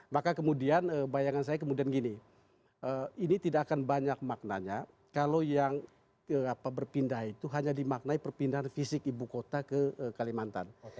maka kemudian bayangan saya kemudian gini ini tidak akan banyak maknanya kalau yang berpindah itu hanya dimaknai perpindahan fisik ibu kota ke kalimantan